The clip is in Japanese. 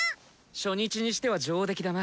初日にしては上出来だな。